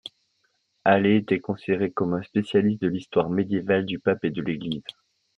Haller était considéré comme un spécialiste de l'histoire médiévale du pape et de l'église.